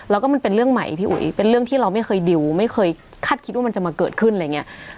แล้วก็มันเป็นเรื่องใหม่พี่อุ๋ยเป็นเรื่องที่เราไม่เคยดิวไม่เคยคาดคิดว่ามันจะมาเกิดขึ้นอะไรอย่างนี้